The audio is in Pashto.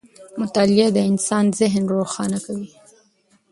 مطالعه د انسان ذهن روښانه کوي.